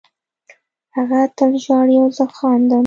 هغه تل ژاړي او زه خاندم